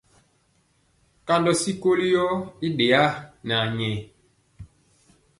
Kandɔ sikoli yɔ i ɗeyaa nɛ anyayɛ.